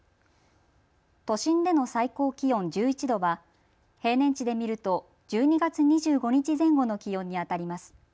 都心での最高気温１１度は平年値で見ると１２月２５日前後の気温にあたります。